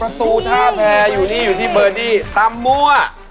ตูท่าแพรอยู่นี่อยู่ที่เบอร์ดี้ตำมั่ว